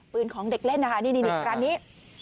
ของเด็กเล่นนะคะนี่ร้านนี้